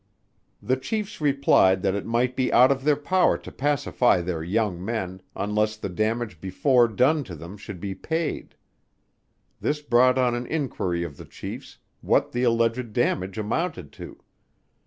The Chiefs replied, that it might be out of their power to pacify their young men, unless the damage before done to them should be paid. This brought on an inquiry of the Chiefs, what the alleged damage amounted to.